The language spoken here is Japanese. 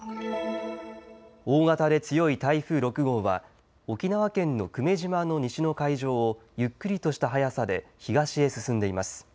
大型で強い台風６号は沖縄県の久米島の西の海上をゆっくりとした速さで東へ進んでいます。